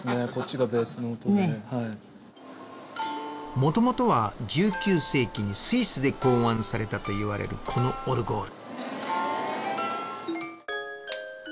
元々は１９世紀にスイスで考案されたといわれるこのオルゴール。